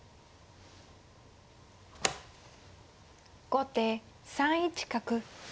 後手３一角。